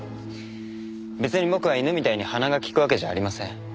別に僕は犬みたいに鼻が利くわけじゃありません。